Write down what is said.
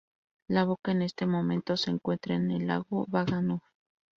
La boca en este momento se encuentra en el lago Baga Nuur.